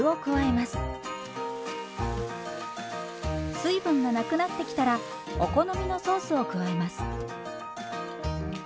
水分がなくなってきたらお好みのソースを加えます。